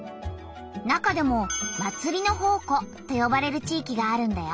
中でも「祭りの宝庫」とよばれる地域があるんだよ。